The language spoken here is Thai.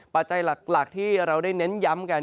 ปัจจัยหลักที่เราได้เน้นย้ำกัน